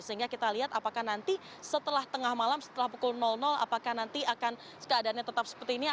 sehingga kita lihat apakah nanti setelah tengah malam setelah pukul apakah nanti akan keadaannya tetap seperti ini